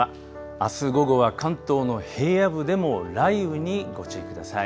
あす午後は関東の平野部でも雷雨にご注意ください。